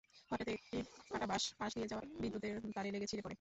হঠাৎ একটি কাটা বাঁশ পাশ দিয়ে যাওয়া বিদ্যুতের তারে লেগে ছিঁড়ে পড়ে।